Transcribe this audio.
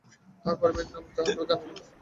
তাঁহার পারিবারিক নাম কেউ জানে না।